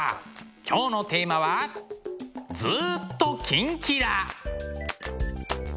今日のテーマは「ずーっとキンキラ★」！